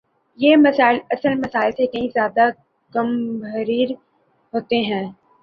یہ مسائل اصل مسئلے سے کہیں زیادہ گمبھیر ہوتے ہیں۔